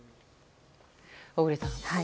小栗さん。